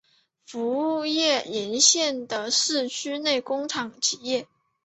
服务于沿线的市区内工厂企业。